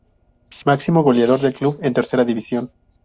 Máximo goleador del club en Tercera División.